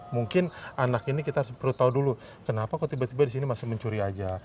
mungkin anak ini kita harus perlu tahu dulu kenapa kok tiba tiba disini masih mencuri aja